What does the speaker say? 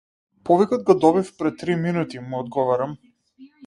Повикот го добив пред три минути му одговарам.